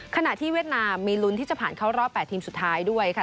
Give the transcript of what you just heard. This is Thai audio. ขณะที่เวียดนามมีลุ้นที่จะผ่านเข้ารอบ๘ทีมสุดท้ายด้วยค่ะ